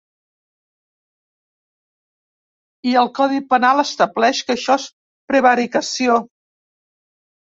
I el codi penal estableix que això és prevaricació.